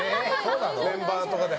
メンバーとかで。